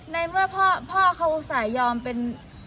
ในเมื่อพ่อเขาอุตส่าห์ยอมเป็น